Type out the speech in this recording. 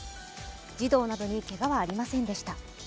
児童などにけがはありませんでした。